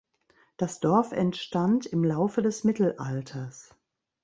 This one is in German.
Das Dorf entstand im Laufe des Mittelalters.